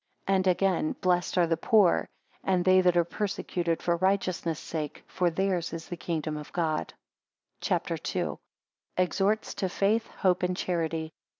11 And again; Blessed are the poor, and they that are persecuted for righteousness sake; for theirs is the kingdom of God. CHAPTER II. 2 Exhorts to Faith, Hope, and Charity.